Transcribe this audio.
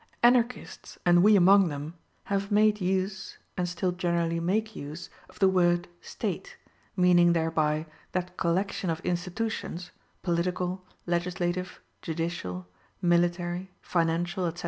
Anarchists, and we among them, have made use, and still generally make use of the word State, meaning thereby that collection of institutions, political, legislative, judicial, military, financial, etc.